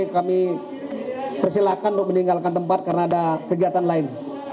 kami persilahkan untuk meninggalkan tempat karena ada kegiatan lain